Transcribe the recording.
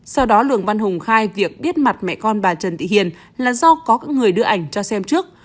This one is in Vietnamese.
sau đó lường văn hùng khai việc biết mặt mẹ con bà trần thị hiền là do có người đưa ảnh cho xem trước